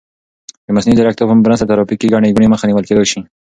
د مصنوعي ځیرکتیا په مرسته د ترافیکي ګڼې ګوڼې مخه نیول کیدای شي.